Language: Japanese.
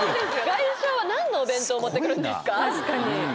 外商は何のお弁当持ってくるんですか？